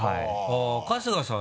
春日さん